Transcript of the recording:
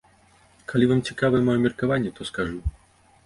Калі вам цікавае маё меркаванне, то скажу.